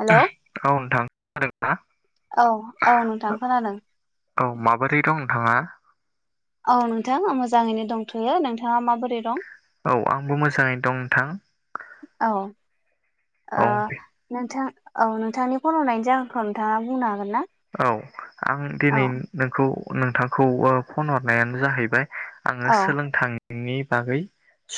Hello औ नोंथां खोनादों औ हा‌ औ नोंथां खोनादों औ माबोरै दं नोंथाङा औ नोंथां आं मोजाङैनो दंथयो नोंथाङा मा औ आंबो मोजाङै दं नोंथां औ ओ औ नोंथां औ नोंथांनि फन हनायनि जाहोनखौ नोंथाङा बुंनो हागोन ना औ आं औ दिनै नोंखौ नोंथांखौ फन हरनायानो जाहैबाय आङो औ सोलोंथाइनि बागै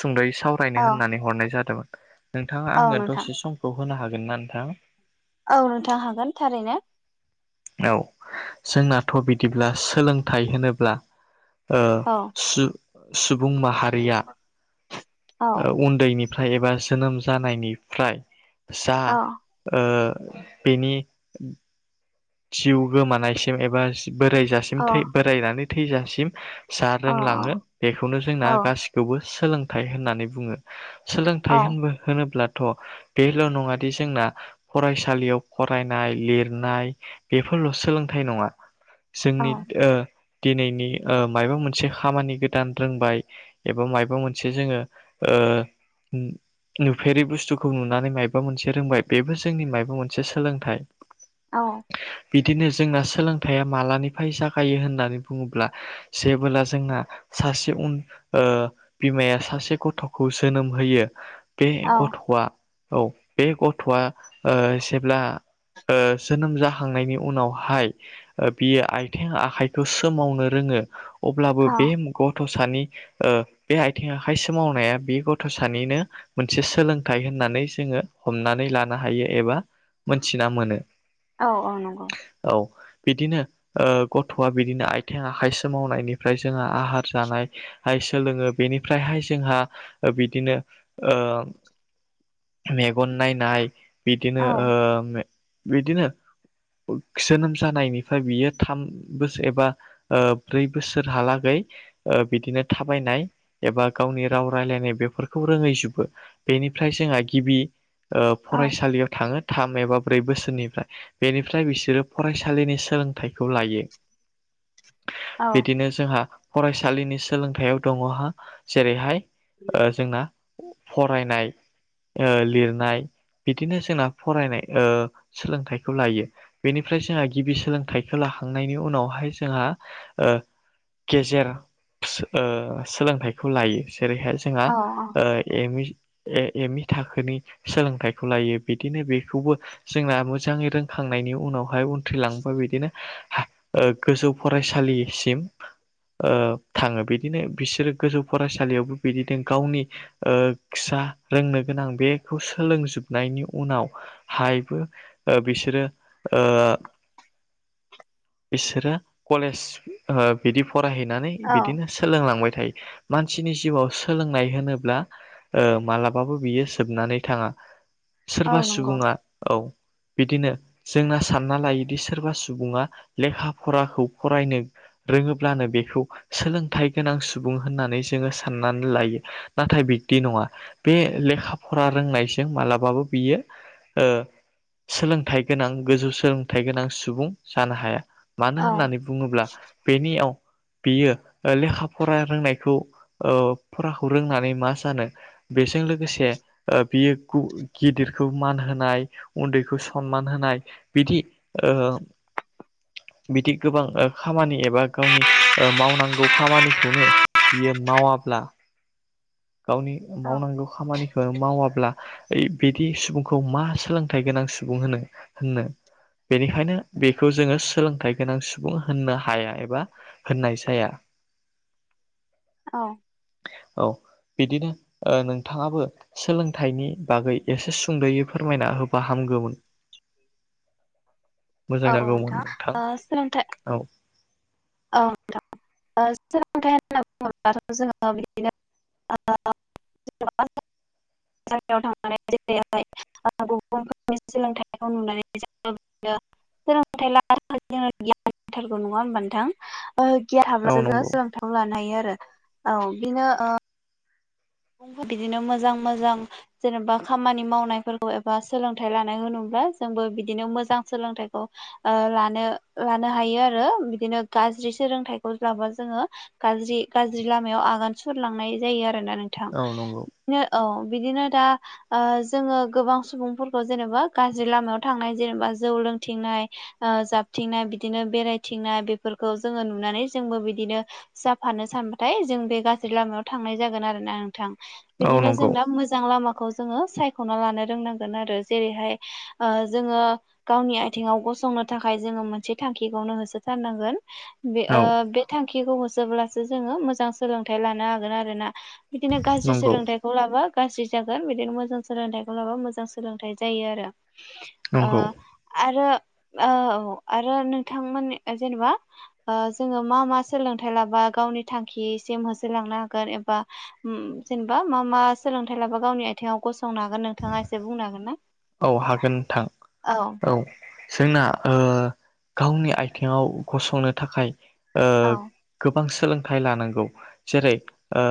सुंद'यै सावरायनो औ होननानै हरनाय जादोंमोन नोंथाङा औ आंनो नोंथां दसे समखौ होनो हागोन ना नोंथां औ नोंथां हागोन थारैनो औ जोंनाथ बिदिब्ला सोलोंथाइ होनोब्ला ओ औ सु सुबुं माहारिया औ ओ औ बेनि जिउ गोमानाय सिम एबा बोरायजासिम औ थै बोरायनानै थैजासिम जा औ रोंलाङो बेखौनो जोंना औ गासिखौबो सोलोंथाइ होननानै बुङो औ सोलोंथाइ होनबो होनोब्ला थ बेल' नङा दि जोंना फरायसालियाव फरायनाय लिरनाय बेफोरल सोलोंथाइ नङा औ जोंनि ओ दिनैनि ओ मायबा मोनसे खामानि गोदान रोंबाय एबा मायबा मोनसे जोङो ओ ओ नुफेरि बुस्थुखौ नुनानै मायबा मोनसे रोंबाय बेबो जोंनि मायबा मोनसे सोलोंथाइ औ बिदिनो जोंना सोलोंथाइया मालानिफाय जागायो होननानै बुङोब्ला जेबोला जों सासे उन ओ बिमाया सासे गथ'खौ जोनोम होयो बे औ गथ'आ औ बे गथ'आ ओ जेब्ला ओ जोनोम जाहां जाखांनायनि उनावहाय बियो आयथें आखाइखौ सोमावनो रोङो अब्लाबो औ बे मुगआव गथ' सा ओ बे आथिं आखाइ सोमावनाया बे गथ' सानिनो मोनसे सोलोंथाइ होन होननानै जोङो हमनानै लानो हायो एबा मोनथिना मोनो औ औ नंगौ औ बिदिनो ओ गथ'आ बिदिनो आयथें आखाइ सोमावनायनिफ्राय जोंहा आहार जानाय हाय सोलोङो बेनिफ्रायहाय जोंहा बिदिनो ओ मेगन नायनाय औ बिदिनो ओ ओमफाय बिदिनो जोनोम जानायनिफाय बियो थाम बोसोर एबा ब्रै बोसोर हालागै बिदिनो थाबायनाय एबा गावनि राव रायनाय बेफोरखौ रोङै [unintelligible] बे बेनिफ्राय जोंहा गिबि ओ औ फरायसालियाव थाङो थाम एबा ब्रै बोसोरनिफ्राय बेनिफ्राय बिसोरो फरायसालिनि सोलोंथाइखौ लायो औ बिदिनो जोंहा फरायसालिनि सोलोंथाइयाव दङहा जेरैहाय जोंना फरायनाय ओ लिरनाय बिदिनो जोंना फरायनाय ओ सोलोंथाइ खौ लायो । बेनिफ्राय जोंहा गिबि सोलोंथाइखौ लाखांनायनि उनावहाय जोंहा ओ गेजेर ओ सोलोंथाइखौ लायो । जेरैहाय जोंहा औ ओ M E A M E थाखोनि सोलोंथाइखौ लायो बिदिनो बेखौबो जोंना मो- जाङै रोंखांनायनि उनावहाय उनथ्रिलांबा बिदिनो हो गोजौ फरायसालिसिम [inaudible] ओ थाङो बिदिनो बिसोरो गोजौ फरायसालियावबो बिदिनो गावनि ओ फिसा आ रोंनो गोनां बेखौ सोलोंजोबनायनि उनाव हायबो ओ बिसोरो ओ बिसोरो कलेज ओ बिदि फरायहैनानै औ बिदिनो सोलोंलांबाय थायो । मानसिनि जिउआव सोलोंनाय होनोब्ला ओ मालाबाबो बियो जोबनानै थांङा । औ सोरबा नंगौ सुबुंङा औ बिदिनो जोंना सानना लायोदि सोरबा सुबुङा लेखा फराखौ फरायनो रोङोब्लानो बेखौ सोलोंथाइ गोनां सुबुं होननानै जोंङो साननानै लायो । नाथाय बि दि नङा । बे लेखा फरा रोंनायजों मालाबाबो बियो ओ सोलोंथाइ गोनां गोजौ सोलोंथाइ गोनां सुबुं जानो हाया । औ मानो होननानै बुङोब्ला बेनियाव बेयो लेखा फरा रोंनायखौ ओ फराखौ रोंनानै मा जानो बे जों लोगोसे बियो गिदिरखौ मान होनाय उन्दै खौ सनमान होनाय बिदि ओ बिदि गोबां खामानि एबा गावनि ओ मावनांगौ खामानिखौनो बेयो मावाब्ला गावनि औ मावनांगौ खामानिखौ मावाब्ला ओइ बिदि सुबुंखौ मा सोलोंथाइ गोनां सुबुं होनो-होननो । बेनिखायनो बेखौ जोंङो सोलोंथाय गोनां सु बुं होननो हाया एबा होननाय जाया । औ औ बिदिनो नोंथाङाबो सोलोंथाइनि बागै एसे स सुंद'यै फोरमायना होबा हामगौमोन । मोजां औ जागौमोन नोंथां ओ सोलोंथाइ । औ औ नोंथां । ओ सोलोंथाइ होनना बुङोब्लाथ' जोंङो बिदिनो ओ ओ ओ [inaudible] जायगायाव थांनानै [unintelligible] आव गुबुनफोरनि सोलोंथाइखौ नुनानै जोंबो बिदिनो सोलोंथायाइ लानानै नो गियान नांथारगौ नङा होनबा नोंथां ओ गिया औ हाब्लासो जों नंगौ सोलोंथायाइ लानो हायो आरो औ बिनो ओ सुबुंफोर बिदिनो मोजां-मोजां जेनेबा खामानि मावनायफोरखौ एबा सोलोंथाइ लानाय होनो ओ जोंबो बिदिनो मोजां सोलोंथाइखौ ओ लानो लानो हायो आरो बिदिनो गा ज्रि सोलोंथाइखौ लाबा जोंङो गाज्रि - गाज्रि लामायाव आगान सुरलांनाय जायो आरोना नों थां । औ नंगौ बिदिनो औ बिदिनो दा ओ जोंङो गोबां सुबुंफोरखौ जेनेबा गाज्रि लामायाव थांनाय जेनेबा जौ लों थिंनाय ओ जाबथिंनाय बिदिनो बेरायथिंनाय बेफोरखौ जोंङो नुनानै जोंबो बिदिनो जाफानो सानबाथाय जों बे गाज्रि लामायाव थांनाय जागोन आरो ना । थां औ बिदिनो जों नंगौ दा मोजां लामा खौ जों सायख'ना लानो रोंनांगोन आरो जेरैहाय ओ जोङो गावनि आथिंङाव ग संनो थाखाय जोङो मोनसे थांखिखौनो होसोथारनांगोन। बे औ ओ बे थांखिखौ होसोब्लासो जोङो मोजां सोलोंथाइ लानो हागोन आरोना। बिदिनो गाज्रि नंगौ सोलोंथाइखौ लाबा गाज्रि जागोन बिदिनो मोजां सोलोंथाइखौ लाबा मोजां सोलोंथाइ जायो आरो। आ नंगौ आरो औ औ आरो नोंथांमोन जेनेबा जोङो मा मा सोलोंथाइ लाबा गावनि थांखिसिम होसोलांनो हागोन एबा जेनेबा मा मा सोलोंथाइ लाबा गावनि आथिङाव गसंनो हागोन नोंथाङा एसे बुंनो हागोन ना? औ हागोन नोंथां औ। जोंना गावनि आथिङाव गसंनो थाखाय ओ औ गोबां सोलोंथाइ लानांगौ जेरै ओ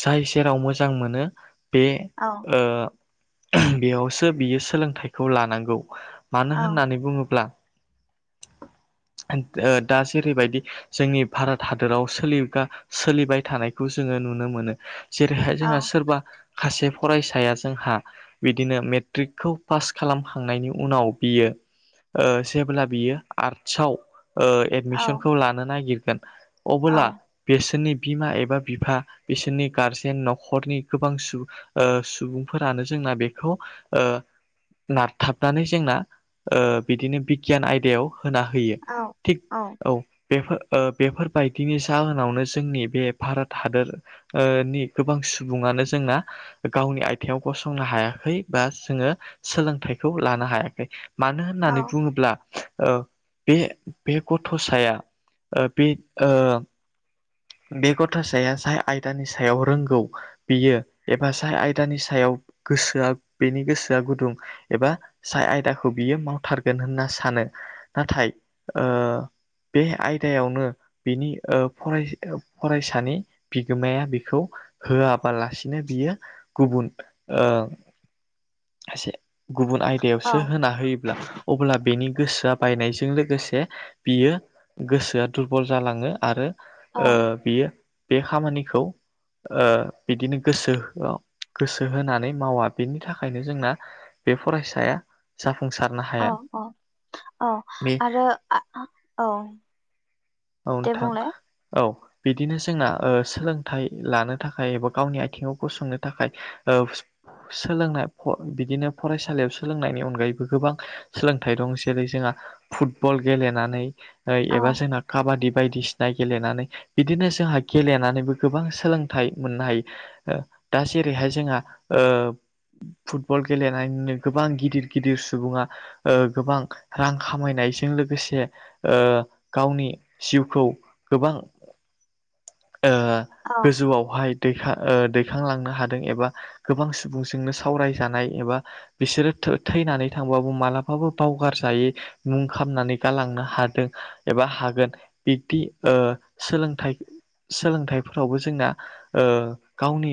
जाय जेराव मोजां मोनो बे औ ओ बेयावसो बियो सोलोंथाइखौ लानांगौ। मानो औ होननानै बुङोब्ला दा जेरैबायदि जोंनि भारत हादराव सोलिगा सोलिबाय थानायखौ जोङो नु नुनो मोनो जेरैहाय औ जोंहा सोरबा सासे फरायसाया जोंहा बिदिनो मेट मेट्रिकखौ पास खालामखांनायनि उनाव बियो ओ जेब्ला बियो आर्टसाव ओ एडमिसनखौ लानो नागिरगोन औ अबोला बिसोरनि बिमा एबा बिफा बिसोरनि गारजेन न'खरनि गोबां सुबुं सुबुंफोरानो जों ना बेखौ ओ नारथाबनानै जोंना बिदिनो बिगियान आयदायाव होना होयो औ थिग औ। बेफोर बेफोरबायदिनि जाहोनावनो जोंनि बे भारत हादरनि गोबां सुबुङानो जोंना गावनि आथिङाव गसंनो हायाखै। बा जोङो सोलोंथाइखौ लानो हायाखै मानो औ होननानै बुङोब्ला बे बे गथ'साया बे बे गथ' साया जाय आयदानि सायाव रोंगौ बियो एबा जाय आयदानि सायाव गोसोआ बेनि गोसोआ गुदुं एबा जाय आयदाखौ बियो मावथारगोन होनना सानो नाथाय फरायसानि बिगोमाया बेखौ होआ। होआलासिनो बियो गुबुन एसे गुबुन औ आयदायावसो होना होयोब्ला अब्ला बेनि गोसोआ बायनायजों लोगोसे बियो गोसोआ दुरबल जालाङो आरो। ओ औ बियो बे खामानिखौ ओ बिदिनो गोसो गोसो होनानै मावा बेनि थाखाय थाखायनो जोंना बे फरायसाया जाफुं औ औ औ बे आरो औ। औ दे नोंथां बुंलाय औ। बिदिनो जोंना सोलोंथाइ लानो थाखाय एबा गावनि आथिंङाव गसंनो थाखाय सोलोंनाय बिदिनो फरायसालियाव सोलोंनायनि अनगायैबो गोबां सोलोंथाइ दं जेरै जोंहा फुटबल गेलेनानै औ एबा जोंना काबादि बायदिसिना गेलेनानै बिदिनो जोंहा गेलेनानैबो गोबां सोलोंथाइ मोननो हायो। दा जेरैहाय जोंहा फुटबल गेलेनानैनो गोबां गिदिर गिदिर सुबुङा गोबां रां खामायनाय। जों लोगोसे ओ गावनि जिउखौ गोबां ओ औ गोजौआवहाय दै दैखांलांनो हादों एबा गोबां सुबुंजोंनो सावरायजानाय एबा बिसोरो थैनानै थांबाबो मालाबाबो बावगार जायै मुं खामनानै गालांनो हादों एबा, बा हागोन बिब्दि ओ सोलोंथाइ। सोलोंथाइ फोरावबो जोंना ओ गावनि।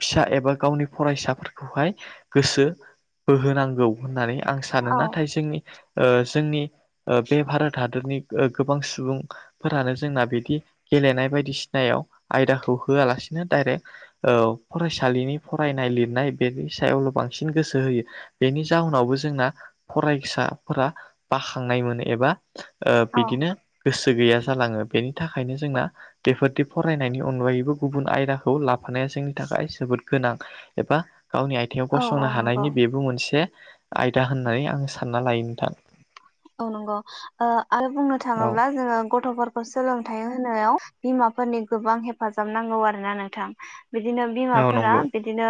फिसा एबा गावनि फरायसाफोरखौहाय गोसो बोहोनांगौ होननानै। आं सानो औ नाथाय जोंनि जोंनि बे भारत हादरनि। गोबां सुबुं फोरानो जोंना बिदि गेलेनाय बायदि सिनायाव आयदाखौ होआलासिनो दं। आइदो औ फरायसालिनि फरायनाय लिरनाय बेनि सायावल' बांसिन गोसो होयो। नि जाउनावबो जोंना फरायसाफोरा बाखांनाय मोनो एबा ओ। औ बिदिनो गोसो। गैया जालांओ बेनि थाखायनो जोंना बेफोरदि फरायनायनि अनगायैबो गुबुन आयदाखौ ला। थाफानाया जोंनि थाखाय जोबोद गोनां एबा गावनि आयथिंङाव औ गसंनो औ नंगौ हानायनि बेबो मोनसे। आयदा होननाय आं सानना लायोन थां। औ नंगौ ओ आरो बुंनो औ थांओब्ला जोंओ गथ'फोर। खौ सोलोंथाइ होनायाव बिमाफोरनि गोबां हेफाजाब नांगौ आरो ना नोंथां। बिदिनो औ बिमाफोरा नंगौ बिदिनो।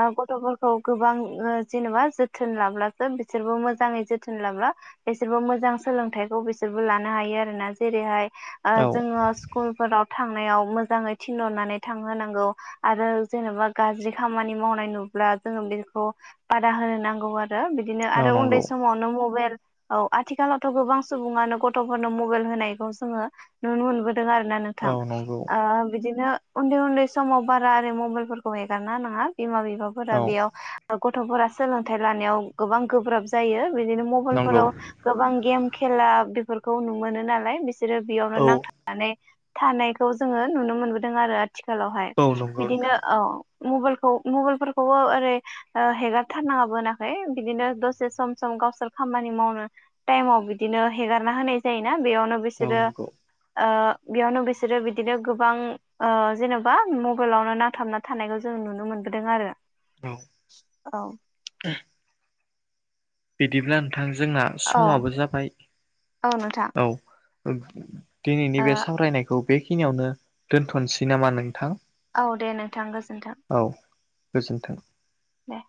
आं गथ'फोरखौ गोबां ओ जेनेबा जोथोन लाब्लासो बिसोरबो मोजाङै जोथोन लाब्ला। बिसोरबो मोजां सोलोंथाइखौ बिसोरबो लानो हायो आरो ना जेरैहाय। ओ औ जोंओ स्कुलफोराव। थांनायाव मोजांङै थिनहरनानै थांहोनांगौ आरो जेनेबा गाज्रि खामानि मावनाय नुब। ला जोंओ बेखौ बादा होनांगौ आरो बिदिनो औ आरो उन्दै नंगौ समावनो मबाइल। औ आथिखालावथ' गोबां सुबुंआनो गथ'फोरनो मबाइल होनायखौ जोंओ नुनो मोनबो। नुदों आरोना औ नोंथां नंगौ बिदिनो। उन्दै उन्दै समाव बारा आरि मबाइलफोरखौ ऐगारना होनांआ बिमा बिफाफोरा औ बेयाव। औ गथ'फोरा सोलोंथाइ लानायाव गोबां गोब्राब जायो बिदिनो। नंगौ फोराव गोबां गेम खेला बेफोरखौ नु मोनो नालाय बि। बिसोरो बेयावनो औ नांथाबनानै थानायखौ जोंओ नुनो मोनबोदों आरो। थिखालावहाय औ नंगौ बिदिनो नोंथां औ। मबाइलखौ मबाइलफोरखौबो ओरै ओ हेगारथारनांआबो होनाखै बिदिनो दसे सम सम गावसोर। खामानि मावनो टाइमाव बिदिनो हेगारना होनाय जायो। बेयावनो औ बिसोरो नंगौ ओ। बेयावनो बिसोरो बिदिनो गोबां ओ जेन'बा मबाइलावनो नांथाबना थानायखौ जों नुनो मोनो। दों आरो। औ औ उम। बिदिब्ला नोंथां जोंना औ समाबो जाबाय औ नोंथां औ। ओग दिनैनि ओ बे सावरायनायखौ बेखिनियावनो दोनथ'नोसै नामा नोंथां। औ दे नोंथां गोजोनथों। औ गोजोन्थों। दा।